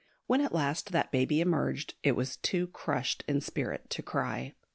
When at last that baby emerged, it was too crushed in spirit to cry.